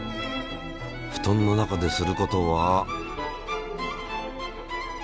ふとんの中ですることは。